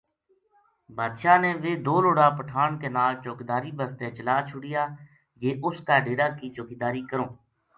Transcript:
بادشاہ نے ویہ دو لُڑا پٹھان کے ڈیرے چوکیداری بسطے چلا چھوڈیا جی اُس کا ڈیرا کی چوکیداری کروں